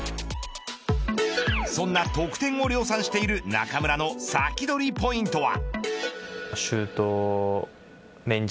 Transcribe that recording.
そんな得点を量産している中村のサキドリポイントは。